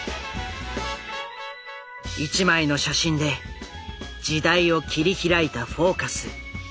一枚の写真で時代を切り開いた「フォーカス」。